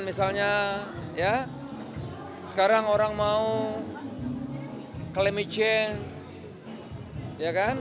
misalnya sekarang orang mau klaimi ceng